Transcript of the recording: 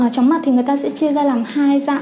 trong mặt thì người ta sẽ chia ra làm hai dạng